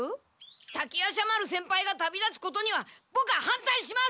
滝夜叉丸先輩が旅立つことにはボクは反対します！